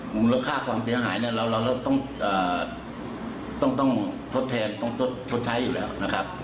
มูลค่าความเสียหายเนี่ยเราต้องทดแทนต้องชดใช้อยู่แล้วนะครับ